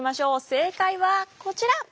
正解はこちら。